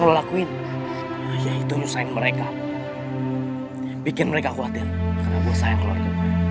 ngelakuin yaitu sayang mereka bikin mereka khawatir karena bosan keluarga